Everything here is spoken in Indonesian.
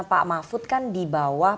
pak mafud kan dibawah